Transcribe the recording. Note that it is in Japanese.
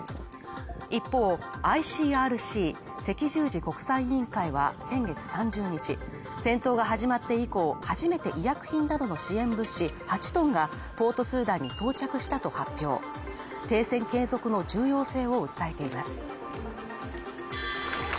一方、ＩＣＲＣ＝赤十字国際委員会は先月３０日戦闘が始まって以降、初めて医薬品などの支援物資８ｔがポートスーダンに到着したと発表停戦継続の重要性を訴えています。